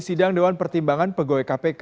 sidang dewan pertimbangan pegawai kpk